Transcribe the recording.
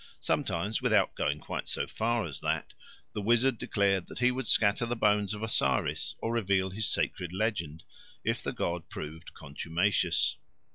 Sometimes, without going quite so far as that, the wizard declared that he would scatter the bones of Osiris or reveal his sacred legend, if the god proved contumacious.